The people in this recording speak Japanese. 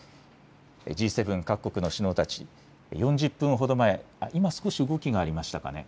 Ｇ７各国の首脳たち、４０分ほど前、今、少し動きがありましたかね。